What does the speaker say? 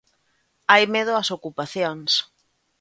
Hai medo ás ocupacións.